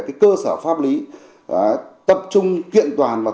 cái cơ sở pháp lý tập trung kiện toàn